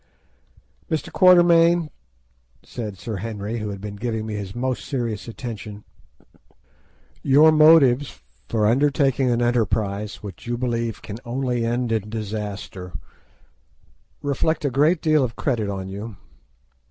"Mr. Quatermain," said Sir Henry, who had been giving me his most serious attention, "your motives for undertaking an enterprise which you believe can only end in disaster reflect a great deal of credit on you.